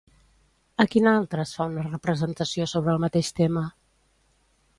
A quina altra es fa una representació sobre el mateix tema?